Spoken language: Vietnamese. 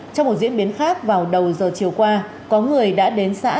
trong một diễn biến khác vào đầu giờ chiều qua có người đã đến xã chiến thắng